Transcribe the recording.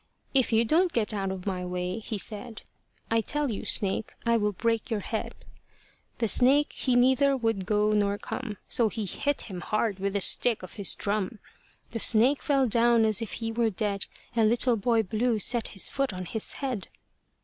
"If you don't get out of my way," he said, "I tell you, snake, I will break your head." The snake he neither would go nor come; So he hit him hard with the stick of his drum. The snake fell down as if he were dead, And Little Boy Blue set his foot on his head.